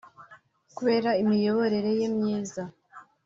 kubera imiyoborere ye myiza